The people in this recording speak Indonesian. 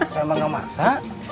saya mah gak maksa